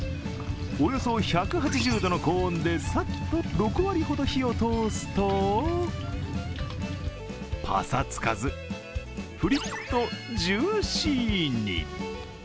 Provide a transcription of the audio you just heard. およそ１８０度の高温でさっと６割ほど火を通すと、パサつかず、プリッとジューシーに。